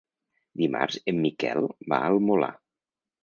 Dimarts en Miquel va al Molar.